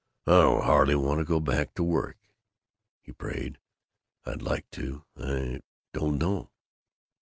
"I don't hardly want to go back to work," he prayed. "I'd like to I don't know."